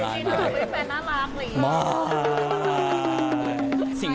ไม่ฉีดไม่เคยสริเวณเรื่องนี้เลย